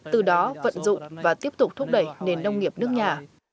từ đó vận dụng và tiếp tục thúc đẩy nền nông nghiệp nước nhà